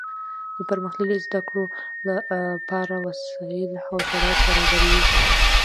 د پرمختللو زده کړو له پاره وسائل او شرایط برابروي.